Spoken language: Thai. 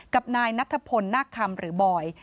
กับนายนัทพลนาคคำหรือบอย